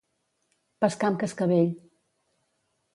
Pescar amb cascavell.